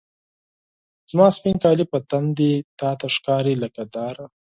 زما سپین کالي په تن دي، تا ته ښکاري لکه داره